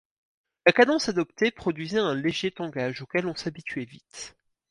La cadence adoptée produisait un léger tangage auquel on s'habituait vite.